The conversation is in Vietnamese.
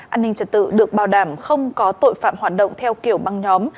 an ninh trật tự được bảo đảm không có tội phạm hoạt động theo kiểu băng nhóm